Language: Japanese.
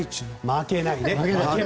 負けないね。